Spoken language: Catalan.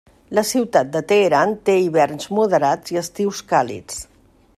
La ciutat de Teheran té hiverns moderats i estius càlids.